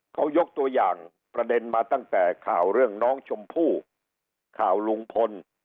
เขายกตัวอย่างประเด็นมาตั้งแต่ข่าวเรื่องน้องชมพู่ข่าวลุงพล